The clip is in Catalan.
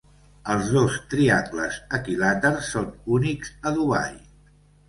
Els dos triangles equilàters són únics a Dubai.